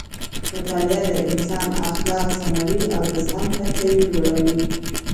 مطالعه د انسان اخلاق سموي او د زغم کچه یې لوړوي.